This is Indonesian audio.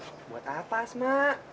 aduh buat apa asma